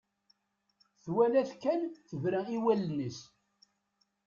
Twala-t kan, tebra i wallen-is.